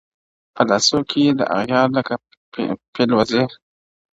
په لاسو کي د اغیار لکه پېلوزی!